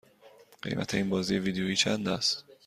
قیمت این بازی ویدیویی چند است؟